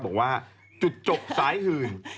บอกว่าจุดจบสายหื่น